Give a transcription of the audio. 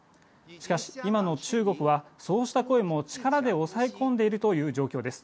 しかし今の中国は、そうした声も力で抑え込んでいるという状況です。